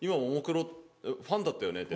「ファンだったよね？」